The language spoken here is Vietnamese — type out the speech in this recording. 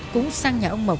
cũng sang nhà ông mộc